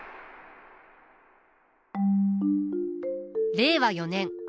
令和４年。